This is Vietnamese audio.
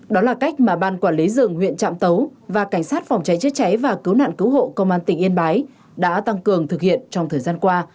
đó là cách mà ban quản lý rừng huyện trạm tấu và cảnh sát phòng cháy chữa cháy và cứu nạn cứu hộ công an tỉnh yên bái đã tăng cường thực hiện trong thời gian qua